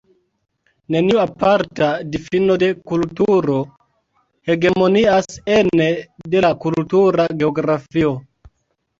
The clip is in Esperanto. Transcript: Neniu aparta difino de kulturo hegemonias ene de la kultura geografio.